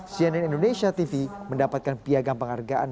cnn indonesia tv mendapatkan piagam penghargaan